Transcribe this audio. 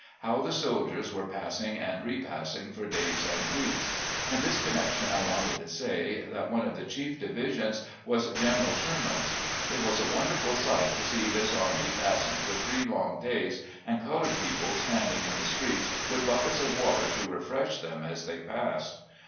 How the soldiers were passing and repassing for days and weeks. In this connection I wanted to say, that one of the chief divisions was General Sherman's. IN A VIRGINIA PULPIT. 69 It was a wonderful sight to see this army passing for three long days, and colored people standing in the streets with buckets of water to refresh them as they passed.